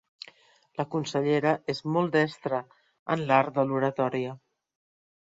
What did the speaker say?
La consellera és molt destra en l'art de l'oratòria.